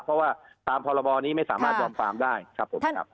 เพราะว่าตามพรบนี้ไม่สามารถจอมฟาร์มได้ครับผม